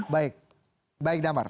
baik baik damar